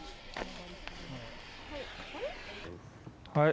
はい。